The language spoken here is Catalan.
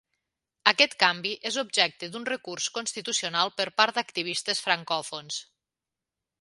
Aquest canvi és objecte d'un recurs constitucional per part d'activistes francòfons.